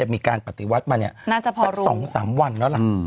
มีการปฏิวัติมาสัก๒๓วันแล้วล่ะ